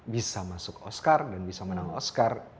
bisa masuk oscar dan bisa menang oscar